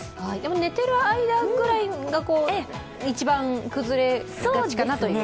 寝ている間ぐらいが一番崩れがちかなという？